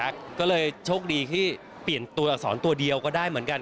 ก็เลยโชคดีที่เปลี่ยนตัวอักษรตัวเดียวก็ได้เหมือนกัน